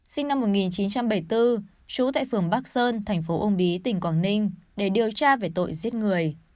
sinh năm một nghìn chín trăm bảy mươi bốn trú tại phường bắc sơn thành phố uông bí tỉnh quảng ninh để điều tra về tội giết người